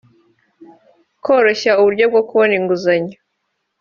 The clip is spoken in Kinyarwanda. koroshya uburyo bwo kubona inguzanyo